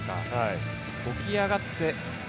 起き上がって。